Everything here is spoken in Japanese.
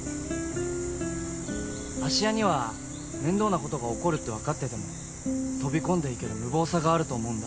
芦屋には面倒なことが起こるって分かってても飛び込んでいける無謀さがあると思うんだ。